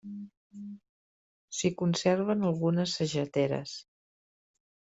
S'hi conserven algunes sageteres.